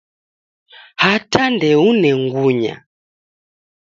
Hata ndoune ngunya.